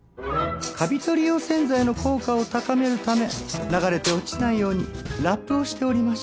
カビ取り用洗剤の効果を高めるため流れて落ちないようにラップをしておりました。